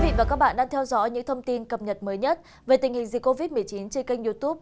các bạn đang theo dõi những thông tin cập nhật mới nhất về tình hình dịch covid một mươi chín trên kênh youtube